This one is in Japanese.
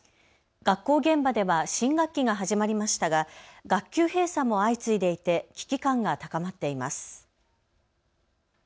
学校現場では新学期が始まりましたが学級閉鎖も相次いでいて危機感が高まっています。